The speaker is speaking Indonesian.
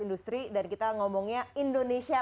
industri dan kita ngomongnya indonesia